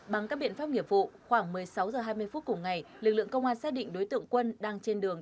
bằng các biện pháp nghiệp vụ khoảng một mươi sáu h hai mươi phút cùng ngày lực lượng công an xác định đối tượng quân đang trên đường